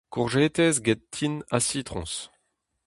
Kourjetez get tin ha sitroñs.